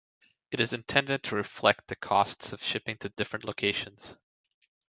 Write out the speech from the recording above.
It is intended to reflect the costs of shipping to different locations.